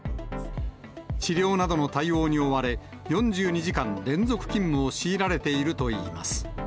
治療などの対応に追われ、４２時間連続勤務を強いられているといいます。